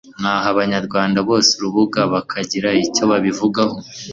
mwaha abanyarwanda bose urubuga bakagira icyo babivugaho.